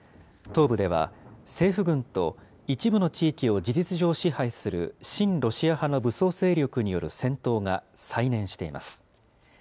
東部では、政府軍と一部の地域を事実上支配する親ロシア派の武装勢力による戦闘が再燃しています。